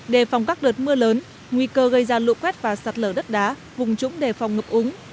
đề phòng các đợt mưa lớn nguy cơ gây ra lụ quét và sạt lở đất đá vùng trũng đề phòng ngập úng